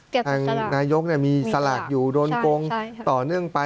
ทางนายกมีสลากอยู่โดนโกงต่อเนื่องไป